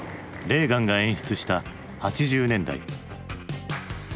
レーガンが演出した８０年代。